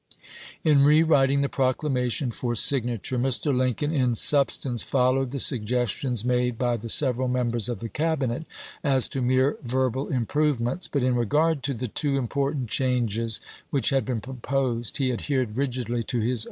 lu rewriting the proclamation for signature Mr. Lincoln in substance followed the suggestions made by the several members of the Cabinet as to mere verbal improvements; but, in regard to the two important changes which had been proposed, he adhered rigidly to his own draft.